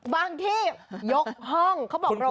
บางที่ยกห้องเขาบอกโดดเรียน